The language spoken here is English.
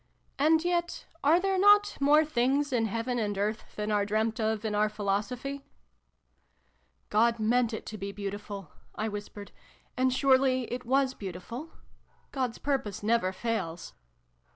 And yet, are there not ' more things in heaven and earth than are dreamt of in oiir philosophy '?" God meant it to be beautiful," I whispered, " and surely it was beautiful ? God's purpose never fails